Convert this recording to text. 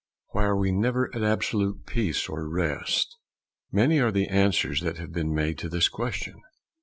Why are we never at absolute peace or rest? Many are the answers that have been made to this question.